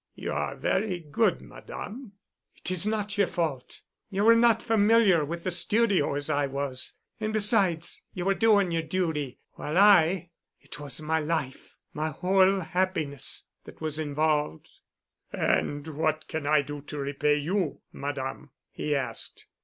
"You are very good, Madame——" "It is not your fault. You were not familiar with the studio as I was. And besides—you were doing your duty, while I—it was my life, my whole happiness, that was involved." "And what can I do to repay you, Madame?" he asked.